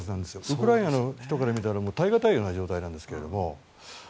ウクライナの人から見たら耐え難いような状態ですけども。